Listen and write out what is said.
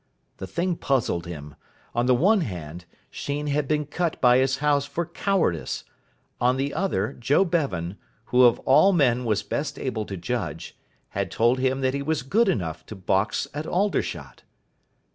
The thing puzzled him. On the one hand, Sheen had been cut by his house for cowardice. On the other, Joe Bevan, who of all men was best able to judge, had told him that he was good enough to box at Aldershot.